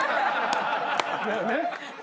だよね？